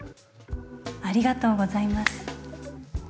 ありがとうございます。